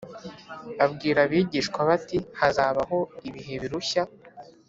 abwira abigishwa be ati hazabaho ibihe birushya